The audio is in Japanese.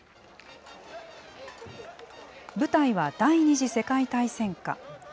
舞台は第２次世界大戦下。